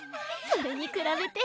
それに比べて。